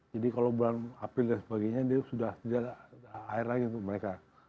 jadi kalau bulan april dan sebagainya dia sudah tidak ada air lagi untuk mereka